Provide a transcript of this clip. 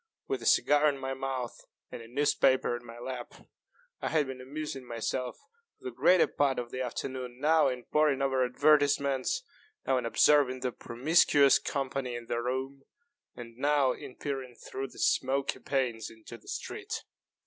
With a cigar in my mouth and a newspaper in my lap, I had been amusing myself for the greater part of the afternoon, now in poring over advertisements, now in observing the promiscuous company in the room, and now in peering through the smoky panes into the street.